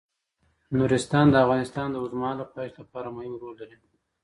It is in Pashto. نورستان د افغانستان د اوږدمهاله پایښت لپاره مهم رول لري.